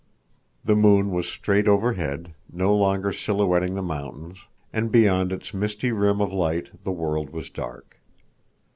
The moon was straight overhead, no longer silhouetting the mountains, and beyond its misty rim of light the world was dark.